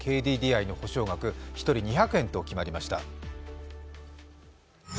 ＫＤＤＩの補償額、１人２００円と決まりました。